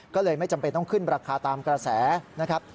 ก็เลยไม่จำเป็นต้องขึ้นราคาตามกระแสนะครับ